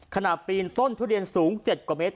ขณะปีนต้นทุเรียนสูง๗กว่าเมตร